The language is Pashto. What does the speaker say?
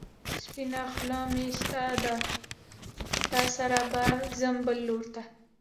سپينه خلۀ مې ستا ده، تا سره ځمه بل لور ته